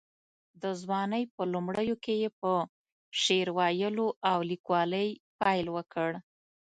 د ځوانۍ په لومړیو کې یې په شعر ویلو او لیکوالۍ پیل وکړ.